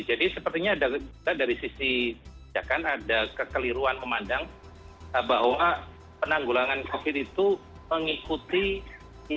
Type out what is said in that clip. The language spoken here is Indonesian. jadi sepertinya ada dari sisi sejahat ada kekeliruan memandang bahwa penanggulangan covid itu mengikuti event yang lain